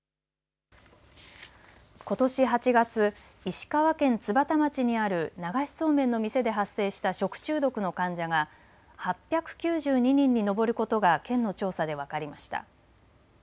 ことし８月、石川県津幡町にある流しそうめんの店で発生した食中毒の患者が８９２人に上ることが県の調査で分かりました。